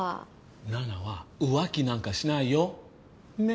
ナナは浮気なんかしないよ。ね。